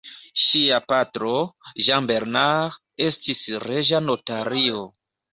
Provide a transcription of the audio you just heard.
Ŝia patro, Jean Bernard, estis reĝa notario.